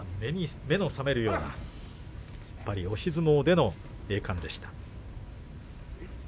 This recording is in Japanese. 目の覚めるような突っ張り押し相撲での栄冠でした。